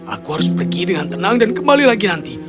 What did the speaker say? aku harus pergi dengan tenang dan kembali lagi nanti